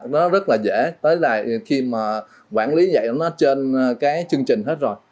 nó rất là dễ tới là khi mà quản lý vậy nó trên cái chương trình hết rồi